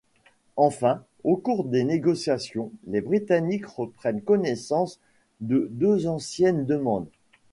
Enfin, au cours des négociations, les Britanniques reprennent connaissance de deux anciennes demandes.